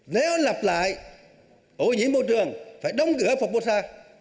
nếu lặp lại ổ nhiễm môi trường phải đóng cửa phong mô sa